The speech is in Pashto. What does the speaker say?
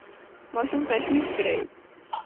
ماشوم تشویق کړئ.